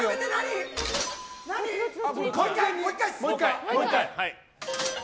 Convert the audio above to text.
もう１回。